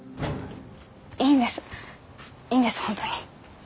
いいんですいいんです本当に。